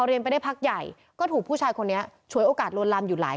เรียนไปได้พักใหญ่ก็ถูกผู้ชายคนนี้ฉวยโอกาสลวนลามอยู่หลาย